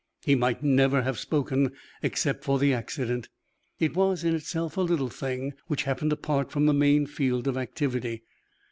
He might never have spoken, except for the accident. It was, in itself, a little thing, which happened apart from the main field of activity.